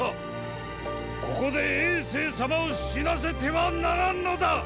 ここで政様を死なせてはならんのだ！